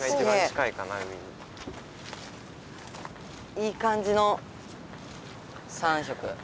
いい感じの３色。